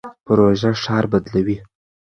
پروژه ښار بدلوي.